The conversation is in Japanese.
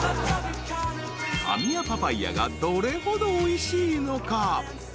［カミヤパパイアがどれほどおいしいのか？］